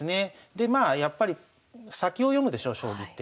でまあやっぱり先を読むでしょ将棋って。